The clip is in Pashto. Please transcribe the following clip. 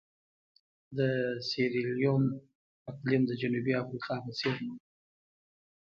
د سیریلیون اقلیم د جنوبي افریقا په څېر نه وو.